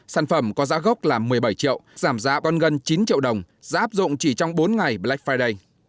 sản phẩm có giá gốc là một mươi bảy triệu giảm giá còn gần chín triệu đồng giá áp dụng chỉ trong bốn ngày black friday